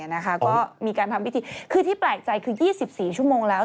ก็มีการทำพิธีคือที่แปลกใจคือ๒๔ชั่วโมงแล้ว